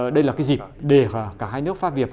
đây là cái dịp để cả hai nước pháp việt